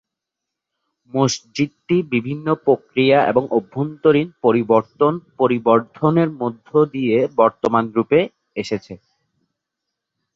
মসজিদটি বিভিন্ন প্রক্রিয়া এবং অভ্যন্তরীণ পরিবর্তন-পরিবর্ধনের মধ্য দিয়ে বর্তমান রূপে এসেছে।